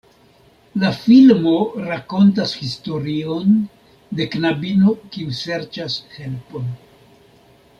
La filmo rakontas historion de knabino kiu serĉas helpon.